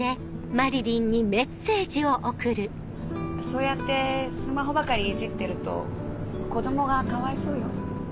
そうやってスマホばかりいじってると子供がかわいそうよ。